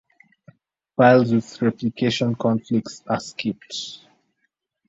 Files with replication conflicts are skipped.